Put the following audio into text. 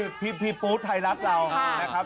นี่พี่ปู๊ดไทรัศน์เรานะครับ